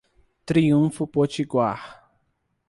Triunfo Potiguar